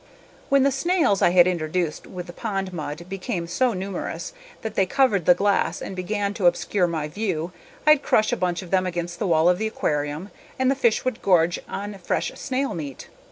When the snails I had introduced with the pond mud became so numerous that they covered the glass and began to obscure my view, I'd crush a bunch of them against the wall of the aquarium and the fish would gorge on fresh snail meat.